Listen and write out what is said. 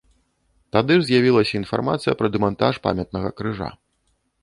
Тады ж з'явілася інфармацыя пра дэмантаж памятнага крыжа.